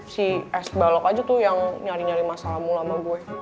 si es balok aja tuh yang nyari nyari masalah mula ama gue